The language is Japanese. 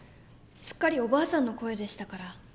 すっかりおばあさんの声でしたから。